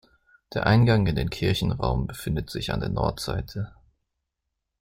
Der Eingang in den Kirchenraum befindet sich an der Nordseite.